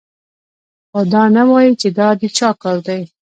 خو دا نه وايي چې دا د چا کار دی